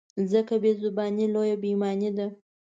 ځکه بې زباني لویه بې ایماني ده.